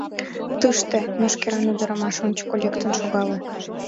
— Тыште! — мӱшкыран ӱдырамаш ончыко лектын шогале.